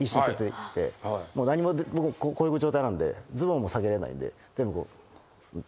僕こういう状態なんでズボンも下げれないんで全部こう。